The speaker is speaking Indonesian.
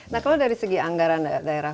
nah kalau dari segi anggaran daerah